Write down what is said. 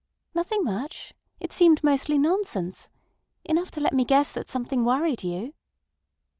"Nothing much. It seemed mostly nonsense. Enough to let me guess that something worried you."